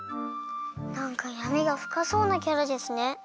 なんかやみがふかそうなキャラですね。